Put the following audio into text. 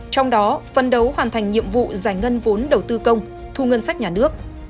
trong đó phân đấu hoàn thành nhiệm vụ giải ngân vốn đầu tư công thu ngân sách nhà nước